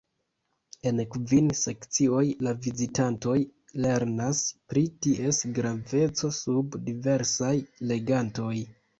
En kvin sekcioj la vizitantoj lernas pri ties graveco sub diversaj regantoj.